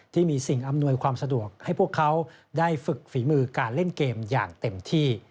ที่มีสิ่งอำนวยความสะดวกให้พวกเขาได้ฝึกฝีมือการเล่นเกมอย่างเต็มที่